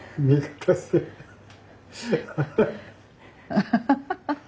アハハハハハ！